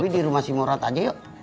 di rumah si murot aja yuk